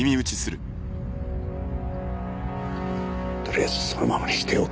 とりあえずそのままにしておけ。